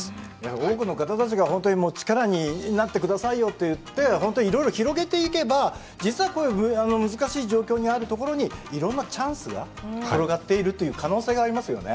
多くの方たちがほんとにもう力になって下さいよって言ってほんといろいろ広げていけば実はこういう難しい状況にあるところにいろんなチャンスが転がっているという可能性がありますよね。